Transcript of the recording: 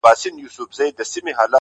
زه د وجود نه راوتلې روح و تاته سپارم!